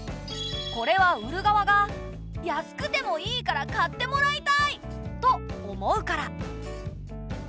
これは売る側が「安くてもいいから買ってもらいたい！」と思うから。